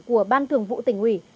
của ban thường vụ tỉnh ủy